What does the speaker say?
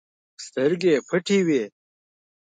سترګې یې پټې وي.